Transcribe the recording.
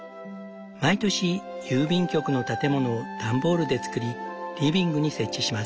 毎年郵便局の建物を段ボールで作りリビングに設置します。